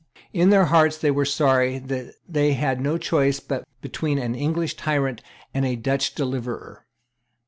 In their hearts they were sorry that they had no choice but between an English tyrant and a Dutch deliverer.